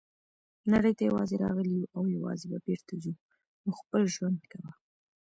نړۍ ته یوازي راغلي یوو او یوازي به بیرته ځو نو خپل ژوند کوه.